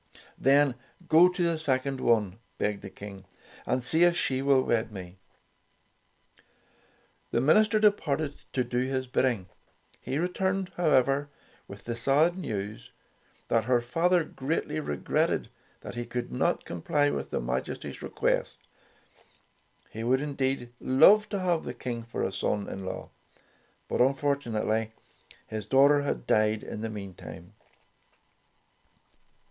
''Then go to the second one,'' begged the King, "and see if she will wed me." The minister departed to do his bidding. He returned, however, with the sad news that her father greatly regretted that he could not comply with his Majesty's re quest. He would, indeed, love to have Tales of Modern Germany 31 the King for a son in law, but unfortunately, his daughter had died in the meantime.